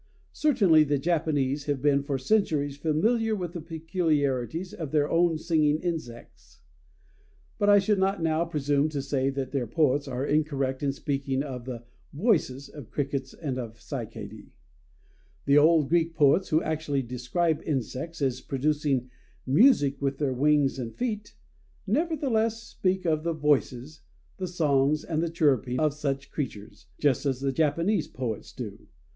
Certainly the Japanese have been for centuries familiar with the peculiarities of their own singing insects. But I should not now presume to say that their poets are incorrect in speaking of the "voices" of crickets and of cicadæ. The old Greek poets who actually describe insects as producing music with their wings and feet, nevertheless speak of the "voices," the "songs," and the "chirruping" of such creatures, just as the Japanese poets do.